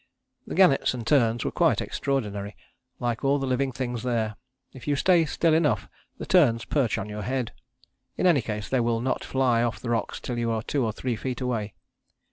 "The gannets and terns were quite extraordinary, like all the living things there. If you stay still enough the terns perch on your head. In any case they will not fly off the rocks till you are two or three feet away.